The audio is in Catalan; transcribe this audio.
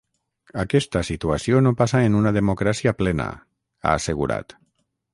Aquesta situació no passa en una democràcia plena, ha assegurat.